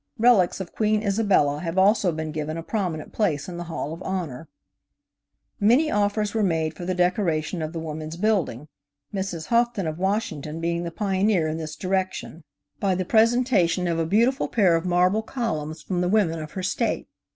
Relics of Queen Isabella have also been given a prominent place in the Hall of Honor. CHILDREN'S DAY. Many offers were made for the decoration of the Woman's Building, Mrs. Houghton, of Washington, being the pioneer in this direction, by the presentation of a beautiful pair of marble columns from the women of her State.